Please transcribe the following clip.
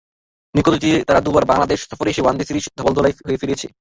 নিকট অতীতে তারা দুবার বাংলাদেশ সফরে এসে ওয়ানডে সিরিজে ধবলধোলাই হয়ে ফিরেছে।